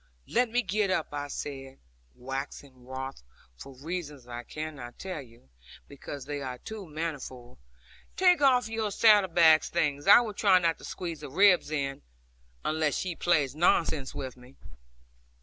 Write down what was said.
'Let me get up,' said I, waxing wroth, for reasons I cannot tell you, because they are too manifold; 'take off your saddle bag things. I will try not to squeeze her ribs in, unless she plays nonsense with me.'